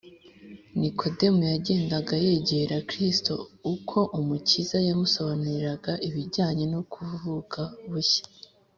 Nikodemo yagendaga yegera Kristo. Uko Umukiza yamusobanuriraga ibijyanye no kuvuka bushya